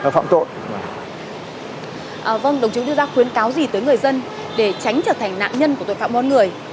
vâng đồng chí đưa ra khuyến cáo gì tới người dân để tránh trở thành nạn nhân của tội phạm mua bán người